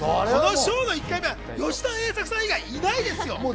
この賞の１回目は吉田栄作さん以外いないですよ！